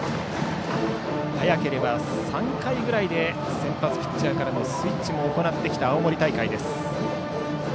早ければ３回ぐらいで先発ピッチャーからのスイッチも行ってきた青森大会。